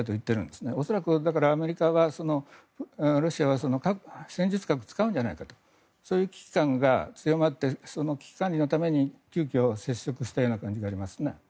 だから、恐らくアメリカはロシアは戦術核を使うんじゃないかとそういう危機感が強まってその危機管理のために急きょ、接触したような感じがありますね。